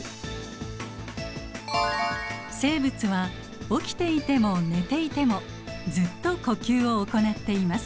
生物は起きていても寝ていてもずっと呼吸を行っています。